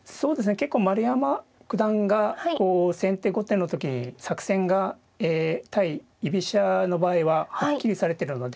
結構丸山九段が先手後手の時に作戦が対居飛車の場合ははっきりされてるので。